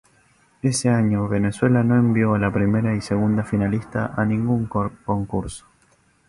Ese año Venezuela no envió a la primera y segunda finalista a ningún concurso.